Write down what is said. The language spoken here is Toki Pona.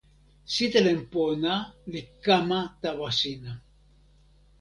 sitelen pona li kama tawa sina.